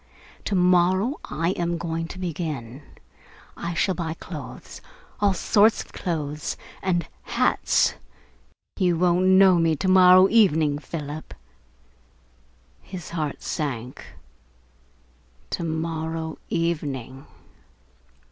To morrow I am going to begin. I shall buy clothes all sorts of clothes and hats. You won't know me to morrow evening, Philip." His heart sank. To morrow evening!